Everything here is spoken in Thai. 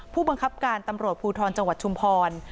ผู้บังคับการตำรวจภูทรจังหวัดชุมพร